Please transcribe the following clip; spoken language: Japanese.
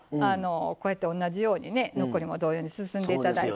こうやって同じように残りも同様に進めていただいて。